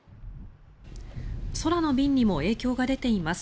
空の便にも影響が出ています。